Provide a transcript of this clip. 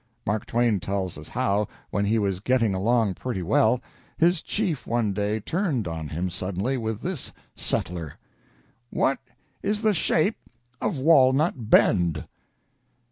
Mark Twain tells us how, when he was getting along pretty well, his chief one day turned on him suddenly with this "settler": "What is the shape of Walnut Bend?"